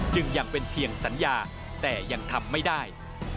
ยังเป็นเพียงสัญญาแต่ยังทำไม่ได้